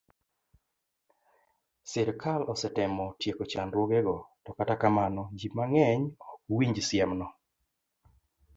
Sirkal osetemo tieko chandruogego, to kata kamano, ji mang'eny ok winj siemno.